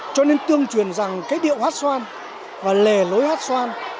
cho nên tương truyền rằng cái điệu hát xoan và lề lối hát xoan